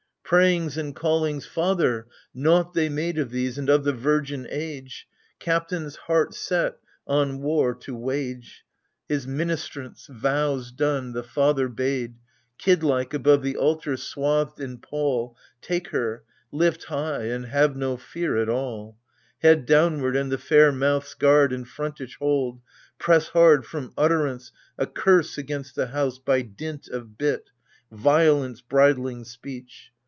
Prayings and callings " Father" — naught they made Of these, and of the virgin age, — Captains heart set on war to wage ! His ministrants, vows done, the father bade — Kid like, above the altar, swathed in pall. Take her — lift high, and have no fear at all, Head downward, and the fair mouth's guard And frontage hold, — press hard From utterance a curse against the House By dint of bit — violence bridling speech.